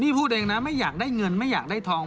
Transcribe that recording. นี่พูดเองนะไม่อยากได้เงินไม่อยากได้ทอง